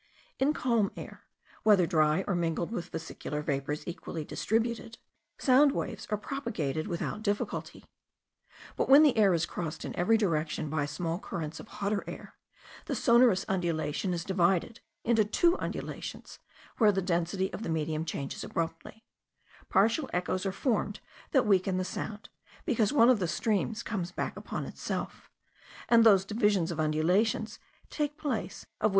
In calm air, whether dry or mingled with vesicular vapours equally distributed, sound waves are propagated without difficulty. But when the air is crossed in every direction by small currents of hotter air, the sonorous undulation is divided into two undulations where the density of the medium changes abruptly; partial echoes are formed that weaken the sound, because one of the streams comes back upon itself; and those divisions of undulations take place of which M.